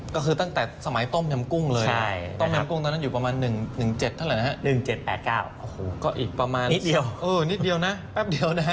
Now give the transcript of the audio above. ก็คือตั้งแต่สมัยต้มแมมกุ้งเลยต้มแมมกุ้งตอนนั้นอยู่ประมาณ๑๗เท่าไรนะครับอ้โฮนิดเดียวนะแป๊บเดียวนะ